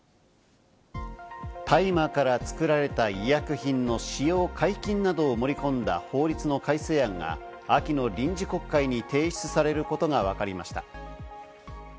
大麻から作られた医薬品の使用解禁などを盛り込んだ法律の改正案が秋の臨時国会に提出されることがわかりました。